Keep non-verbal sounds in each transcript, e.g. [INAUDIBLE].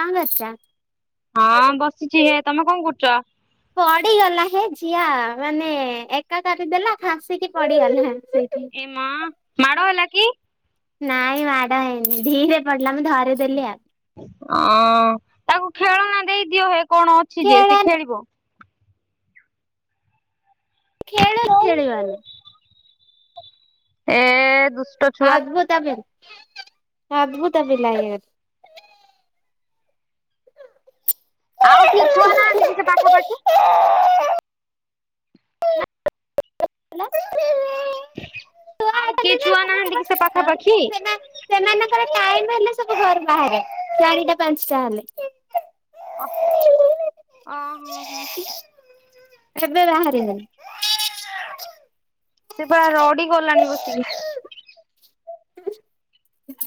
କାଁ ଗସଛ ହଁ ବସିଛି ହେ ତମେ କଣ କରୁଛ? ଠିଆ ମାନେ ଏକା କରିି ଦେଲା ଖାସିକି ପଡିଗଲେ ଏମା ମାୋଲା କି। ନାଇଁ ମାଡ ହେଇନି ଧୀରେ ପ ହଁ ତାକୁ ଖେଳନା ଦେଇଦିଅ ହେ କଣ ଅଛି ଯେ ଖେଳ ସେ ଖେଳିବ ଖେଳ ଖେଡେ ବାେ। ଏ ଦୁଷ୍ଟ ଛୁଆ ଅଦ୍ଭୁତମିଲ ଅଦ୍ଭୁତମିଲାର ଆଉ କିଏ ଛୁଆ ନାହାନ୍ତି କି ସେ ପାଖାପାଖି ଆଉ କିଏ ଛୁଆ ନାହାନ୍ତି କି ସେ ପାଖାପାଖି ସେନା ହେ ସବୁ ଘର ବାହାରେ ଚାରିଟା ପାଞ୍ଚଟା ହେଲେ। ଅ ଓ ହଁ ହଁ। ଏଦଦ ଆହାରାର ଦନ ସେ ପା ରଡି ଗଲାଣି ବସିକି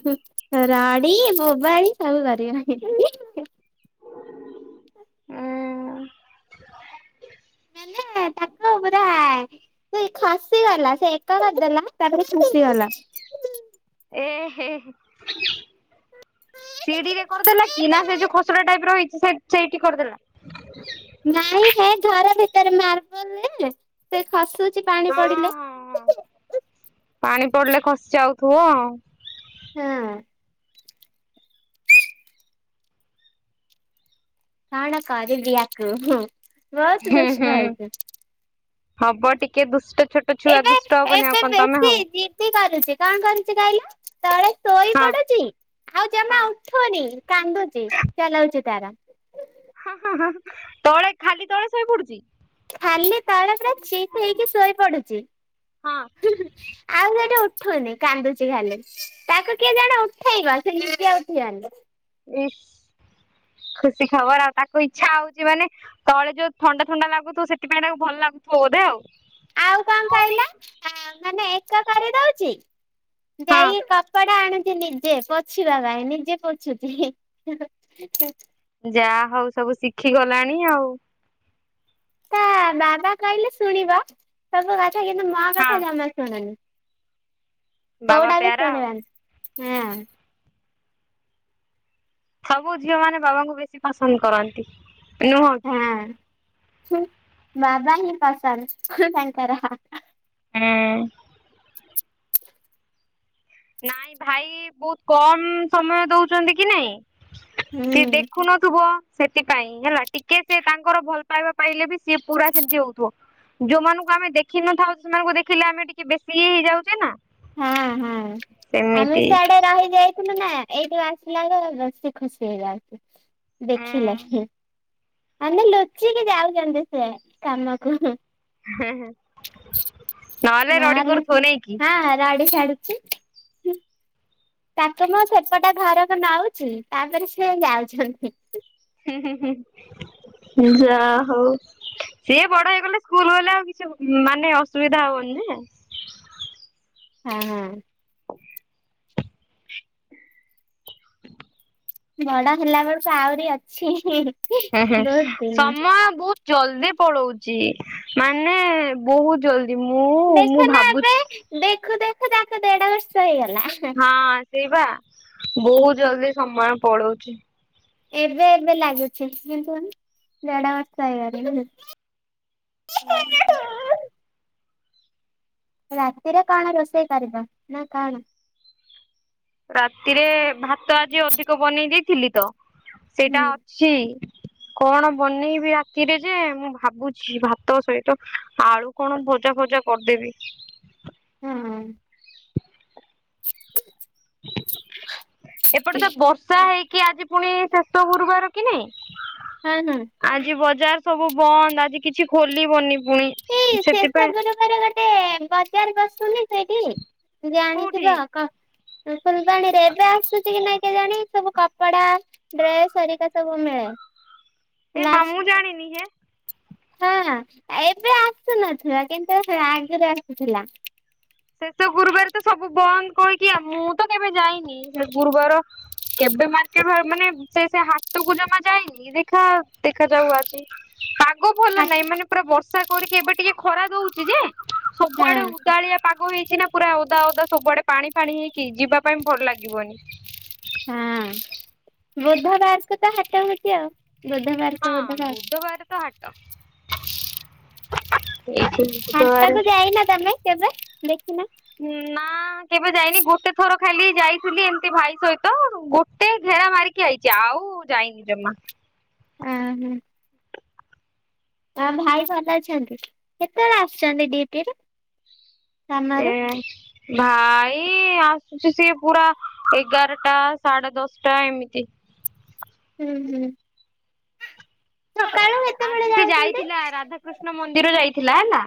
ହଁ ରାଡି ବୋବାଡି ସବୁ କରିବ ନାହିଁ ଉଁ ମାନେ ଖାସି ଗଲା ସେ ଏକା କରିତ ଦେଲା ତାପରେ ଶୁସି ଗଲା। ଏହ। ସିଡିରେ କରିଦେଲା କି ନା ସେ ଯୋଉ ଖସଡା ଟାଇପ ର ହେଇଛି ସେଇଠି କରିଦେଲା। ନାଇଁ ହେ ଘର ଭିତରେ ମାର୍ବଲରେ ସେ ଖସୁ କିଛି ପାଣି ହଁ ପଡିଲେ, ହଁ ହଁ ପାଣି ପଡିଲେ ଖସି ଆଉଥିବ ହଁ, କଣ କରିବି ଆାକୁ ହୁଁ ବହୁତ ହୁଁ ଦୁଷ୍ଟ ହୁଁ। ହଉଛି। ହବ ଟିକେ ଦୁଷ୍ଟ, ଛୋଟ ଛୁଆ ଏବେ ଦୁଷ୍ଟ ହବନି ଆଉ ଏବେ କଣ ତମେ ବେଶୀ ହବ ଜିିଦି କରୁଛି କଣ କରୁଛି କଇଲ ତଳେ ଶୋଇ ହଁ। ପଡୁ ଚି ଆଉ ଜମା ଉଠୁନି କାନ୍ଦୁଚି ଚଲାଉଛି ତାର ହାଁ ହାଁ ହାଁ ତଳେ ଖାଲି ତଳେ ଶୋଇ ପଡୁଛି? ଖାଲି ତଲେ ପୁରା ଚିତ୍ ହେଇକି ଶୋଇ ପଡୁଚି। ହଁ ହୁଁ ହୁଁ ଆଉ ସେଠୁ ଉ ଉଠୁନି କାନ୍ଦୁଚି ଖାଲି ତାକୁ କିଏ ଜଣେ ଉଠେଇବ ସେ ନିଜେ ଉଠିବନି। ଏହେ ଖୁସି ଖବର ଆଉ ତାକୁ ଇଚ୍ଛା ହଉଛି ମାନେ ତଳେ ଯୋଉ ଥଣ୍ଡା ଥଣ୍ଡା ଲାଗୁଥିବ ସେଥିପାଇଁ ତାକୁ ଭଲ ଲାଗୁ ଧେ ଆଉ। ଆଉ କଣ କହିଲେ ମାନେ ଏକ କରିଦଉଚି ହଁ ଯାଇ କପଡା ଆଣୁଛି ନିଜେ ପୋଛିବା ପାଇଁ ନିଜେ ପୋଛୁଛି ହିଁ ହିଁ ଯାହା ହଉ ସବୁ ଶିଖି ଗଲାଣି ଆଉ ତା ବାବା କହିଲେ ଶୁଣିବ ସବୁ କଥା କିନ୍ତୁ ମୋ ହଁ କଥା ଜମା ଶୁଣୁନି। ବାବା କଉଟା ବି ପ୍ୟାରା ଆଉ। ଶୁଣିବନି ହଁ ସବୁ ଝିଅ ମାନେ ବାବାଙ୍କୁ ବେଶୀ ପସନ୍ଦ କରନ୍ତି। ନୁହଁ କି? ହଁ ବାବା ହିଁ ପସନ୍ଦ ହିଁ ତାଙ୍କର। ହୁଁ ଉଁ, ନାଇଁ ଭାଇ ବହୁତ କମ୍ ସମୟ ଦଉଚନ୍ତି କି ନାଇଁ, ସିଏ ହୁଁ। ଦେଖୁନଥୁିବ ସେଥିପାଇଁ ହେଲା ଟିକେ ସେ ତାଙ୍କର ଭଲ ପାଇବା ପାଇଲେ ବି ସିଏ ପୁରା ସେମିତି ହଉଥିବ। ଯୋଉମାନଙ୍କୁ ଆମେ ଦେଖିନଥାଉ ସେମାନଙ୍କୁ ଦେଖିଲେ ଆମେ ଟିକେ ବେଶୀ ଇଏ ହେଇଯାଉଚେ ନା ହଁ ହଁ ଆମେ ସେମିତି। ସେଆଡେ ରହିଯାଇଥିଲୁ ନା ଏଇଠୁ ଆସିଲା ରୁ ବେଶି ଖୁସି ହେଇଯାଉଚି ଦେଖିଲାଠୁ। ତାଙ୍କୁ ଲୁଚିକି ଯାଉ ଚନ୍ତି ସେ କାମକୁ ହୁଁ ହଁ ହଁ [INAUDIBLE] ନାଲେ କରୁଥିବ କୁ ନାଇଁ କି? ହଁ ରଡ଼ି ଛାଡୁଛି ହୁଁ ତାଙ୍କୁ ମୁଁ ସେପଟ ଘରକୁ ନଉଛି ତାପରେ ସେ ଯାଉଛନ୍ତି ହୁଁ ହୁଁ ହୁଁ ହୁଁ ହୁଁ ଯା ହଉ ସିଏ ବଡ ହେଇଗଲେ ସ୍କୁଲ ଗଲେ ଆଉ କିଛି ଉ ମାନେ ଅସୁବିଧା ହବନି ଯେ ହଁ ହଁ, ବଡ ହେଲା ବେଳକୁ ଆହୁରି ଅଛି ହିଁ ହିଁ ହୁଁ ହୁଁ ସମୟ ବହୁତ ଜଲଦି ପଳଉଚି ମାନେ ବହୁ ଜଲଦି ମୁଁ ମୁଁ ଦେଖ ନା ଏବେ ଭାବୁଛି। ଦେଖୁ ଦେଖୁ ତାକୁ ଦେଢ ବର୍ଷ ହେଇଗଲା। ହଁ ସେଇ ବା ବହୁ ଜଲଦି ସମୟ ପଲଉଚି। ଏବେ ଏବେ ଲାଗୁଛି କିନ୍ତୁ ଦେଢ ବର୍ଷ ହେଇଗଲାଣି। ହୁଁ, ରାତିରେ କଣ ରୋଷେଇ କରିବ ନା କଣ? ରାତି ରେ ଭାତ ଆଜି ଅଧିକ ବନେଇ ଦେଇଥିଲି ତ ହୁଁ ସେଇଟା ଅଛି। କଣ ବନେଇବି ରାତିରେ ଯେ ମୁଁ ଭାବୁଛି ଭାତ ସହିତ ଆଳୁ କଣ ବ ଭଜା ଫଜା କରିଦେବି। ହୁଁ ହୁଁ, [INAUDIBLE] ହ [INAUDIBLE] ଏପଟେ ତ ବର୍ଷା ହେଇକି ଆଜି ପୁଣି ଶେଷ ଗୁରୁବାର କି ନାଇଁ। ହଁ ଆଜି ବଜାର ସବୁ ବନ୍ଦ ଆଜି କିଛି ଖୋଲିବନି ପୁଣି ଏଇ ସେଥିପାଇଁ ସେସବୁରୁ କୁଆଡ଼େ ଗୋଟେ ବଜାର ବସୁନି ହେଇଟି କୋଉଠି ଜାଣିଥିବ କ ଫୁଲବାଣୀରେ ଏବେ ଆସୁଛି କି ନାଇଁ କେଜାଣି ସବୁ କପଡା ଡ୍ରେସହରିକା ସବୁ ମିଳେ। ଏ ମା ଲାଷ୍ଟ ମୁଁ ଜାଣନି ହେ। ହଁ ଏବେ ଆସୁନଥିଲା କିନ୍ତୁ ସେ ଆଗରୁ ଆସୁଥିଲା। ଶେଷ ଗୁରୁବାର ତ ସବୁ ବନ୍ଦ କହିକି ଆଉ ମୁଁ ତ କେବେ ଯାଇନି ଗୁରୁବାର କେବେ ମାର୍କେଟ ମାନେ ସେ ସେ ହଟକୁ ଜମା ଯାଇନି ଦେଖା ଦେଖାଯାଉଅଛି। ଆଗ ଭଲ ହଁ ନାହିଁ ମାନେ ପୁରା ବର୍ଷା କରିକି ଏବେ ଟିକେ ଖରା ଦଉଛି ଯେ ସବୁଆଡେ ଉଦାଳିଆ ପାଗ ହେଇଛି ନା ପୁରା ଓଉଦା ଓଦା ସବୁଆଡେ ପାଣି ଫାଣି ହେଇକି ଯିବା ପାଇଁ ଭଲ ଲାଗିବନି। ହଁ ବୃଧ ବାର୍କ ତ ହାଟ ହଉଛି ଆଉ। ବୁଦ୍ଧବାର ତ ହଁ ବୁଧବାର ତ ହାଟ ଏଇଠି ବୁଧବାର ହଣ୍ଟାକୁ ଯାଇନା ତମେ କେବେ ଦେଖିନ। ନା। କେବେ ଯାଇନି ଗୋଟେ ଥର ଖାଲି ଯାଇଥିଲି ଏମିତି ଭାଇ ସହିତ ଗୋଟେ ଘେରା ମାରିକି ଯଇଛି ଆଉ। ଆଉ ଯାଇନି ଜମା। ହଁ ହୁଁ। ତ ଭାଇ ଭଲ ଅଛନ୍ତି କେତେବେଳେ ଆସୁଛନ୍ତି ଡିଟିରେ ଏ ଭାଇ ଆସୁଛି ସିଏ ପୁରା ଏଗାରଟା ସାଢେ ଦଶଟା ଏମିତି। [UNINTELLIGIBLE] ହୁଁ ହୁଁ। ସକାଳୁ କେତେବେଳେ ଆଜି ସେ ଯାଉଛନ୍ତି? ଯାଇଥିଲା ରାଧାକୃଷ୍ଣ ମନ୍ଦିର ଯାଇଥିଲା ହେଲା।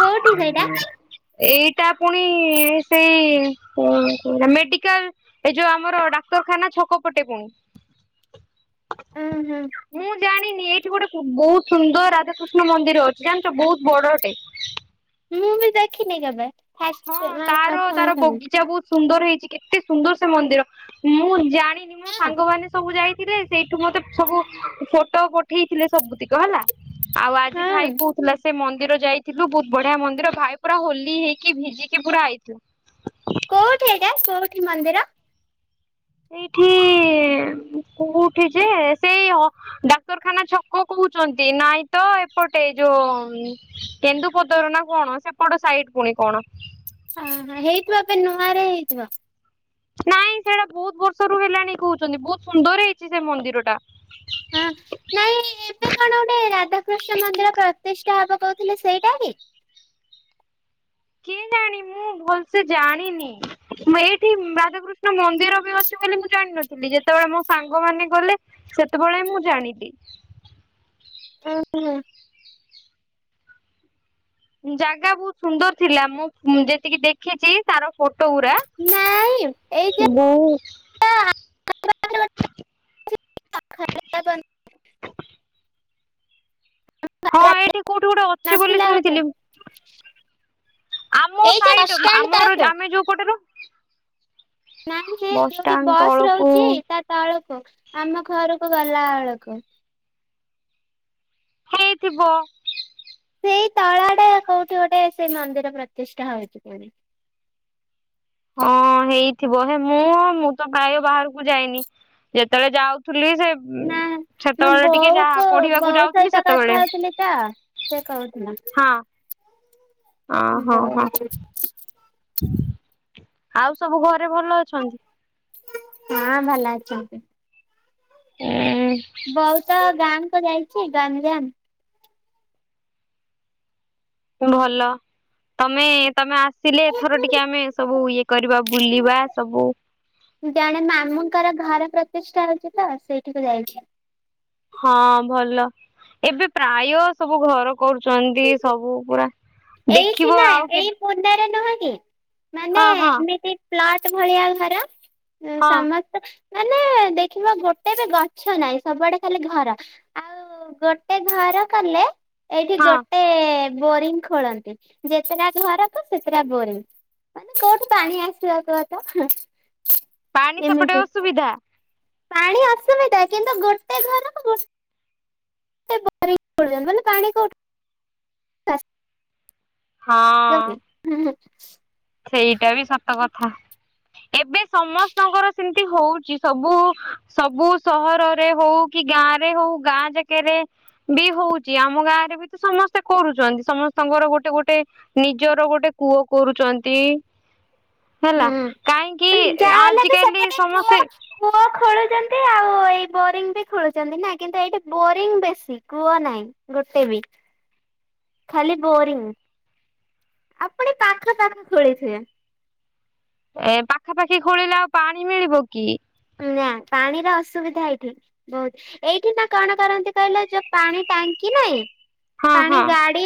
କୋଉଠି ସେଇଟା? ଏଇଟା ପୁଣି ସେଇ ମେଡିକାଲ ଏ ଯୋଉ ଆମର ଡାକ୍ତର ଖାନ ଛକ ପଟେ [UNINTELLIGIBLE] ହଁ ହୁଁ। ମୁଁ ଜାଣିନି ଏଇଠି ଗୋଟେ ବହୁତ ସୁନ୍ଦର ରାଧାକୃଷ୍ଣ ମନ୍ଦିର ଅଛି ଜାଣିଛ ବହୁତ ବଡଟେ। ମୁଁ ବି ଦେଖିନି କେବେ? ହଁ ଫାଷ୍ଟ ମାନେ ତାର ପ୍ରଥମେ ତାର ଶୁଣି ବଗିଚା ବହୁତ ସୁନ୍ଦର ହେଇଛି କେତେ ସୁନ୍ଦର ସେ ମନ୍ଦିର ମୁଁ ଜାଣିନି ମୋ ହଁ ସାଙ୍ଗମାନେ ସବୁ ଯାଇ ଥିଲେ ସେଇଠୁ ମତେ ସବୁ ଫଟୋ ପଠେଇଥିଲେ ସବୁତିକ ହେଲା। ଆଉ ଆଜି ଭାଇ ହଁ କୋହୁଥିଲା ସେ ମନ୍ଦିର ଯାଇଥିଲୁ ବହୁତ ବଢିଆ ମନ୍ଦିର ଭାଇ ପୁରା ହୋଲି ହେଇ କି ଭିଜିିକି ପୁରା ଆଇଥିଲୁ। କୋଉଠି ଏଇଟା କୋଉଠି ମନ୍ଦିର? ଏଇଠି କୋଉଠି ଯେ ସେଇ ଡାକ୍ତରଖାନା ଛକ କହୁଛନ୍ତି ନାଇଁ ତ ଏପଟ ଗୋଟେ ଯୋଉ କେନ୍ଦୁପତର ନା କଣ ସେପଟ ସାଇଟ ପୁଣି କଣ। ଅ ହେଇଥିବ ଏବେ ନୂଆରେ ହେଇଥିବ। ନାଇଁ ସେଇଟା ବହୁତ ବର୍ଷ ର ହେଲାଣି କହୁଛନ୍ତି ବହୁତ ସୁନ୍ଦର ହେଇଛି ସେ ମନ୍ଦିର ଟା। ହଁ ନାଇଁ ଏବେ କଣ ଗୋଟେ ରାଧାକୃଷ୍ଣ ମନ୍ଦିର ପ୍ରତଷ୍ ଟା ହବ କହୁଥିଲେ ସେଇଟା କି? କିଏ ଜାଣି ମୁଁ ଭଲସେ ଜାଣିନି ଏଇଠି ରାଧାକୃଷ୍ଣ ମନ୍ଦିର ବି ଅଛି ବୋଲି ମୁଁ ଜାଣିନଥିଲି ଯେତେବେଳେ ମୋ ସାଙ୍ଗ ମାନ ଗଲେ ସେତେବେଳେ ମୁଁ ଜାଣିଲି। ଓ ହ ହ। ଜାଗା ବହୁତ ସୁନ୍ଦର ଥିଲା ମୁଁ ଯେତିକି ଦେଖିଛି ତାର ପଟଉରା ନାଇଁ ଏଇ ବଉ [UNINTELLIGIBLE] ହଁ ଏଇଠି କୋଉଠି ଗୋଟେ ଅଛି ବୋଲି ନଥିଲା ଗୋଟେ ଶୁଣିଥିଲି। ଆମ ଏଇ ଯୋଉ ସାଇଟ ବସଷ୍ଟାଣ୍ଡ ଆମର ତଳକୁ ଆମେ ଯୋଉ ପଟେରୁ ନାଇଁ ନାଇଁ ଯୋଉଠି ବସଷ୍ଟାଣ୍ଡ ବସ୍ ତଳକୁ ରହୁଛି ତା ତଳକୁ ଆମ ଘରକୁ ଗଲା ବେଳକୁ ହେଇଥିବ। ସେଇ ତଳା ଟା କୋଉଠି ଗୋଟେ ସେଇ ମନ୍ଦିର ପ୍ରତିଷ୍ଠା ହେଇଛି ପଣି। ହଁ ହେଇଥିବ ହେ ମୁଁ ମୁଁ ତ ପ୍ରାୟ ବାହାରକୁ ଯାଇନି ଯେତେବେଳେ ଯାଉଥ ନା ମୋ ବୋଉ ଯାହା କ ପଢିବାକୁ ବୋଉ ଯାଉଥିଲି ସହିତ ସେତେବେଳେ କଥା ହଉଥିଲି ତ । ସେ କହୁଥିଲା। [INAUDIBLE] ହଁ [INAUDIBLE] ଆଉ ସବୁ ଘରେ ଭଲ ଅଛନ୍ତି? ହଁ ଭଲ ଅଛନ୍ତି। ବଉ ତ ଗାଁ କୁ ଯାଇଛି । ଗଞ୍ଜାମ। ଭଲ ତମେ ତମେ ଆସ ଆସିଲେ ଏଥର ଟିକେ ଆମେ ସବୁ ଇଏ କରିବା ବୁଲିବା ସବୁ । ଜଣେ ମାମୁଁଙ୍କର ଘର ପ୍ରତିଷ୍ଠା ହେଉଛି ତ ସେଇଠିକୁ ଯାଇଛି । ହଁ ଭଲ ଏବେ ପ୍ରାୟ ସବୁ ଘର କରୁଛନ୍ତି । ସବୁ ପୁରା । ଏଇଠି ନା ଏଇ ପଣ୍ଡାରେ ନୁହ କି ମାନେ ହଁ ହଁ ଏମିତି ପ୍ଲଟ ଭଳିଆ ଘର ହଁ ସମସ୍ତ ମାନେ ଦେଖିବ ଗୋଟେ ବି ଗଛ ନାହିଁ ସବୁଆଡେ ଖାଲି ଘର ଆଉ । ଗୋଟେ ଘର କଲେ ଏଇଠି ହଁ ଗୋଟେ ବୋରିଙ୍ଗ । ଖୋଳନ୍ତି ଯେତେଟା ଘରକୁ ସେତେଟା ବୋରିଂ । କୋଉଠୁ ପାଣି ଆସିବ କୁହ ତ? ପାଣି ସେପଟେ ଏମିତି। ଅସୁବିଧା । ପାଣି ଅସୁବିଧା କିନ୍ତୁ ଗୋଟେ ଘରକୁ [INAUDIBLE] ପାଣି କଉଠୁ। ହଁ ରହୁଚି ହଁ ହଁ । ସେଇଟା ବି ସତ କଥା । ଏବେ ସମସ୍ତଙ୍କର ସେମିତି ହଉଛି ସବୁ ସବୁ ସହରରେ ହଉ କି ଗାଁ ରେ ହଉ ଗାଁ ଜାକରେ ବି ହଉଛି ଆମ ଗାଁ ରେ ବି ତ ସମସ୍ତେ କରୁଛନ୍ତି ।ସମସ୍ତ ର ଗୋଟେ ଗୋଟେ ନିଜର ଗୋଟେ କୂଅ କରୁଛନ୍ତି । ହୁଁ ଯାହା ହେଲେ ବି ଆଜିକାଲି ସେପଟେ କୂଅ ସମସ୍ତେ କୂଅ ଖୋଳୁଛନ୍ତି ଆଉ । ଏଇ ବୋରିଙ୍ଗ ବି ଖେଳୁଛନ୍ତି ନା କିନ୍ତୁ ଏଇଠି ବୋରିଙ୍ଗ ବେଶୀ କୂଅ ନାହିଁ ଗୋଟେ ବି । ଖାଲି ବୋରିଂ । ଆଉ ପୁଣି ପାଖ ପାଖ ଖୋଳୀଥିବେ। ଏ ପାଖାପାଖି ଖୋଳିଲେ ଆଉ ପାଣି ମିଳିବ କି? ନା ପାଣିର ଅସୁବିଧା ଏଇଠି ବହୁତ ।ଏଇଠି ନା କଣ କରନ୍ତି କହିଲ ଯୋଉ ପାଣି ଟାଙ୍କି କି ନାଇଁ । ହଁ ପାଣି ହଁ ଗାଡି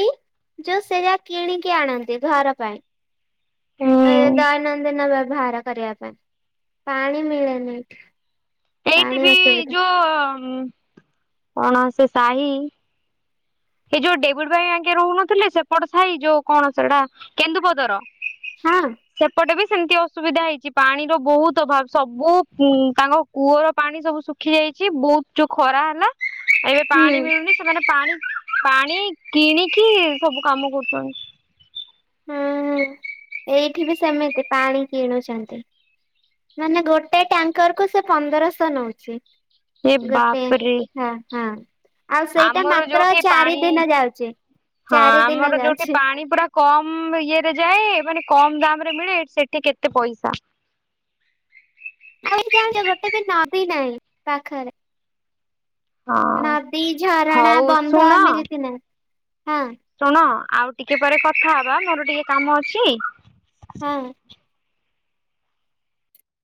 ଯୋଉ ସେଟା କିଣିକି ଆଣନ୍ତି ଘର ପାଇଁ । ଏ ହୁଁ ଦୈନନ୍ଦିନ ବ୍ୟବହାର କରିବା ପାଇଁ ପାଣି ମିଳେନି ଏଠି। ପାଣି ଅସୁବିଧା । ହୁଁ କଣ ସେ ସାହି ଏ ଯୋଉ ଡେଭିଡ ଭାଇ ଆଙ୍କେ ରହୁନଥିଲେ ସେପଟ ସାାଇ ଯୋଉ କଣ ସେଇଟା କେନ୍ଦୁପଦର । ହଁ ସେପଟେ ବି । ସେମତି ଅସୁବିଧା ହେଇଛି ।ପାଣିର ବହୁତ ଅଭାବ ସବୁ ତାଙ୍କ କୂଅର ପାଣି ସବୁ ଶୁଖି ଯାଇଛି । ବହୁତ ଯୋଉ ଖରା ହେଲା ଏବେ ହୁଁ ପାଣି ମିଳୁନି ସେମାନେ ପାଣି ପାଣି କିଣିକି ସବୁ କାମ କରୁଛନ୍ତି । ହୁଁ ଏଇଠି ବି ସେମିତି ପାଣି କିଣୁଛନ୍ତି । ମାନେ ଗୋଟେ ଟ୍ୟାଙ୍କର କୁ ସେ ପନ୍ଦରଶହ ନଉଛି ଏ । ଗୋଟେ ବାପରେ ହଁ ହଁ । ଆମର ଯୋଉଠି ପାଣି ଯାଉଛି ହଁ ଚାରି ଦିନ ଆମର ଯୋଉଠି ଯାଉଛି। ପାଣି ପୁରା କମ ଇଏରେ ଯାଏ ମାନେ କମ ଦମ୍ ରେ ମିଳେ ସେଠି କେତେ ପଇସା? [INAUDIBLE] ଆଉ ଜାଣିଛ ଗୋଟେ ବି ନଦୀ ନାହିଁ ପାଖରେ । ହଁ ନଦୀ, ଝରଣା, ହଉ ବନ୍ଧ ଶୁଣ ଆମେ ଦେଖିନୁ। ଶୁଣ ଆଉ ଟିକେ ପରେ କଥା ହବା ମୋର ଟିକେ କାମ ଅଛି । ହଁ